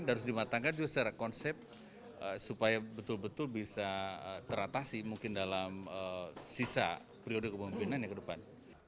harus dimatangkan juga secara konsep supaya betul betul bisa teratasi mungkin dalam sisa periode kepemimpinannya ke depan